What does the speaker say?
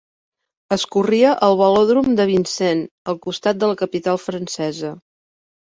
Es corria al Velòdrom de Vincennes, al costat de la capital francesa.